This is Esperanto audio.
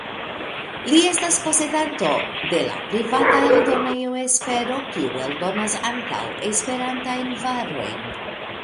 Li estas posedanto de la privata eldonejo Espero, kiu eldonas ankaŭ Esperantajn varojn.